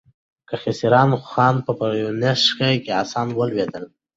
کیخسرو خان په یوه نښته کې له آسه ولوېد.